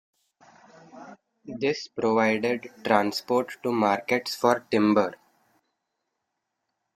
This provided transport to markets for timber.